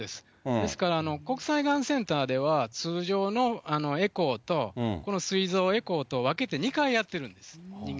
ですから国際がんセンターでは通常のエコーと、このすい臓エコーと分けて２回やってるんです。